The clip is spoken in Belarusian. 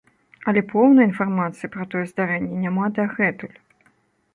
Аднак поўнай інфармацыі пра тое здарэнне няма дагэтуль.